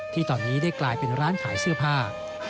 ที่ตอนนี้ได้กลายเป็นร้านขายเสื้อผ้า